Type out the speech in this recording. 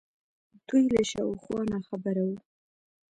دوی له شا و خوا ناخبره وو